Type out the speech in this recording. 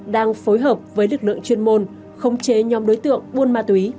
đang phối hợp với lực lượng chuyên môn khống chế nhóm đối tượng buôn ma túy